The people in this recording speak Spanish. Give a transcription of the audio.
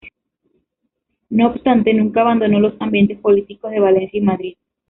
No obstante, nunca abandonó los ambientes políticos de Valencia y Madrid.